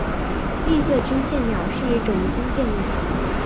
丽色军舰鸟是一种军舰鸟。